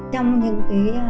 trong những cái